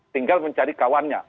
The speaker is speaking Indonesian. tinggal mencari kawannya